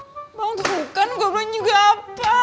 bang tepukan gue belom nyuga apa